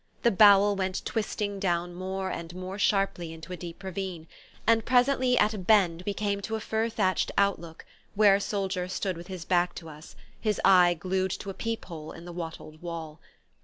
The "bowel" went twisting down more and more sharply into a deep ravine; and presently, at a bend, we came to a fir thatched outlook, where a soldier stood with his back to us, his eye glued to a peep hole in the wattled wall.